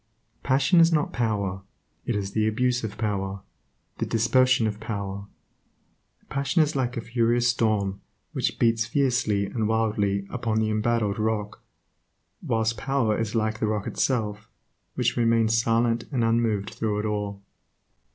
Passion is not power; it is the abuse of power, the dispersion of power. Passion is like a furious storm which beats fiercely and wildly upon the embattled rock whilst power is like the rock itself, which remains silent and unmoved through it all.